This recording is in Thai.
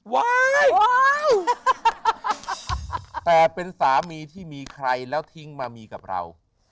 แต่เป็นสามีที่มีใครแล้วทิ้งมามีกับเรา